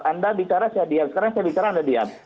anda bicara saya diam sekarang saya bicara anda diam